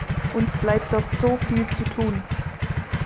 Uns bleibt dort so viel zu tun.